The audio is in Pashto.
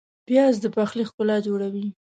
پیاز د پخلي ښکلا جوړوي